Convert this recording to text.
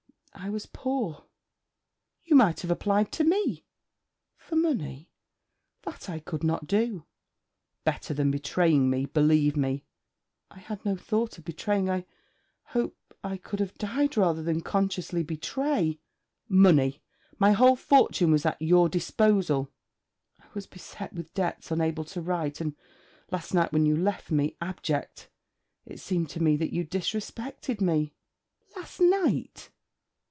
I was poor...' 'You might have applied to me.' 'For money! That I could not do: 'Better than betraying me, believe me.' 'I had no thought of betraying. I hope I could have died rather than consciously betray.' 'Money! My whole fortune was at your, disposal.' 'I was beset with debts, unable to write, and, last night when you left me, abject. It seemed to me that you disrespected me...' 'Last night!'